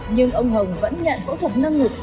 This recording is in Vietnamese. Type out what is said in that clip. nhưng ông hồng vẫn nhận phẫu thuật nâng ngực